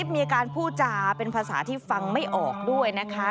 มีการพูดจาเป็นภาษาที่ฟังไม่ออกด้วยนะคะ